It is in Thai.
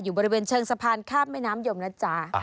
บริเวณเชิงสะพานข้ามแม่น้ำยมนะจ๊ะ